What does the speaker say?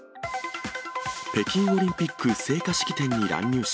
北京オリンピック聖火式典に乱入者。